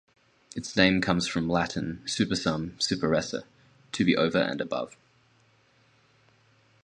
Its name comes from Latin "supersum, superesse": to be over and above.